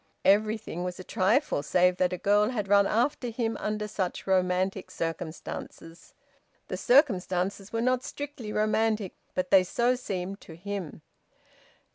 Everything was a trifle save that a girl had run after him under such romantic circumstances. The circumstances were not strictly romantic, but they so seemed to him.